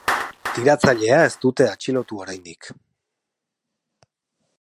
Tiratzailea ez dute atxilotu oraindik.